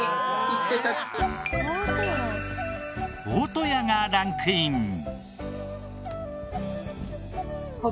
大戸屋がランクイン。